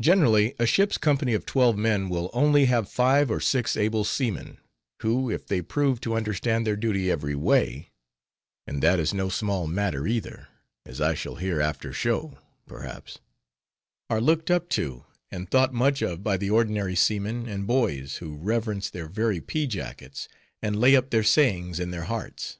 Generally, a ship's company of twelve men will only have five or six able seamen, who if they prove to understand their duty every way (and that is no small matter either, as I shall hereafter show, perhaps), are looked up to, and thought much of by the ordinary seamen and boys, who reverence their very pea jackets, and lay up their sayings in their hearts.